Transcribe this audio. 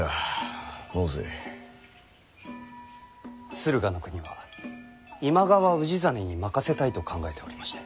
駿河国は今川氏真に任せたいと考えておりまして。